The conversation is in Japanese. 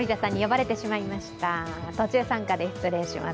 途中参加です、失礼します。